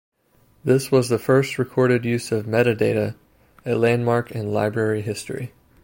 This was the first recorded use of metadata, a landmark in library history.